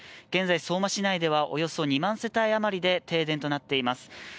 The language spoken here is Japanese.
現在、相馬市内ではおよそ２万世帯余りで停電となっています。